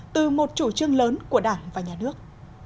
từ một chủ trương lớn của đảng và nhà nước